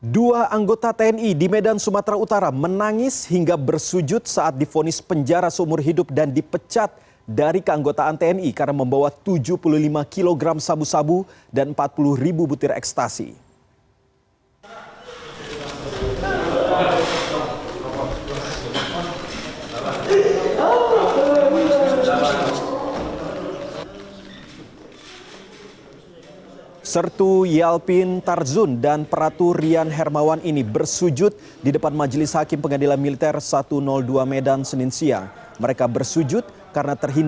dua anggota tni di medan sumatera utara menangis hingga bersujud saat difonis penjara seumur hidup dan dipecat dari keanggotaan tni karena membawa tujuh puluh lima kg sabu sabu dan empat puluh ribu butir ekstasi